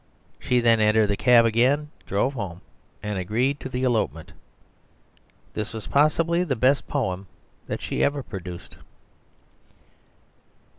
She then entered the cab again, drove home, and agreed to the elopement. This was possibly the best poem that she ever produced.